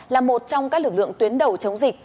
là một trong các lực lượng tuyến đầu chống dịch